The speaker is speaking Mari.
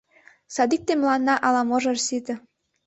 Садикте мыланна ала-можо ыш сите.